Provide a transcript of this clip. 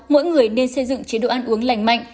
mỗi người nên xây dựng chế độ ăn uống lành mạnh